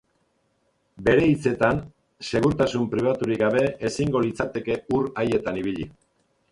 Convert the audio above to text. Bere hitzetan, segurtasun pribaturik gabe ezingo litzateke ur haietan ibili.